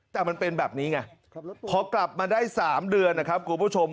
แต่มันเป็นแบบนี้ไงพอกลับมาได้๓เดือนนะครับคุณผู้ชม